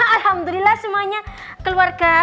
alhamdulillah semuanya keluarga